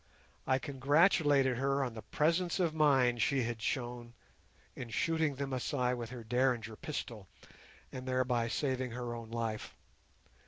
I congratulated her on the presence of mind she had shown in shooting the Masai with her Derringer pistol, and thereby saving her own life.